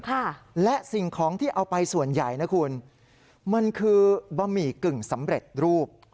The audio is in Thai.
ค่ะและสิ่งของที่เอาไปส่วนใหญ่นะคุณมันคือบะหมี่กึ่งสำเร็จรูป